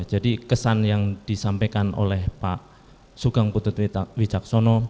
jadi kesan yang disampaikan oleh pak sugeng putut wicaksono